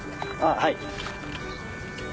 はい。